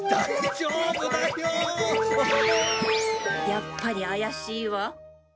やっぱり怪しいわ。